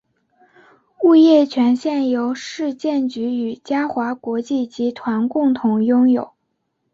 物业权现由市建局与嘉华国际集团共同拥有。